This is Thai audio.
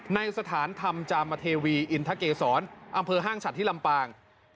ในสถานธรรมจามเทวีอินทเกษรอำเภอห้างฉัดที่ลำปาง